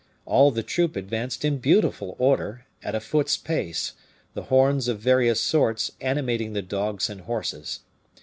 All the troop advanced in beautiful order, at a foot's pace, the horns of various sorts animating the dogs and horses.